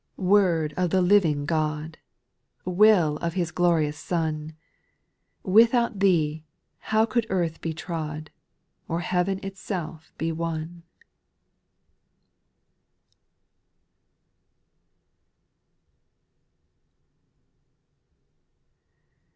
7. Word of the living God ! Will of His glorious Son I Without Thee, how could earth be trod, Or heaven itself be won